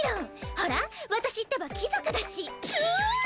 ほら私ってば貴族だしうわあっ！